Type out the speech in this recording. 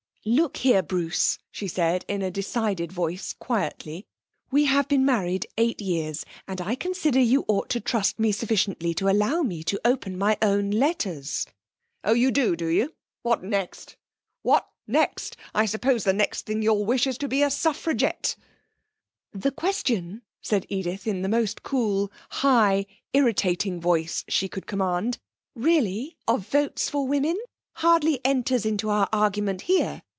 'Look here Bruce,' she said, in a decided voice, quietly. 'We have been married eight years, and I consider you ought to trust me sufficiently to allow me to open my own letters.' 'Oh, you do, do you? What next? What next! I suppose the next thing you'll wish is to be a suffragette.' 'The question,' said Edith, in the most cool, high, irritating voice she could command, 'really, of votes for women hardly enters into our argument here.